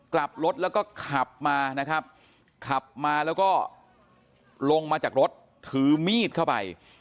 กลับรถแล้วก็ขับมานะครับขับมาแล้วก็ลงมาจากรถถือมีดเข้าไป